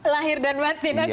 lahir dan batin